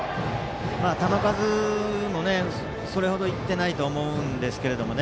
球数もそれ程いってないと思うんですけどね。